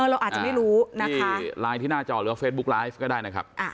เราอาจจะไม่รู้ที่ไลน์ที่หน้าจอหรือว่าเฟซบุ๊กไลฟ์ก็ได้นะครับ